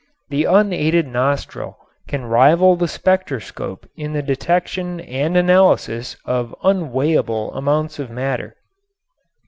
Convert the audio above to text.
The unaided nostril can rival the spectroscope in the detection and analysis of unweighable amounts of matter.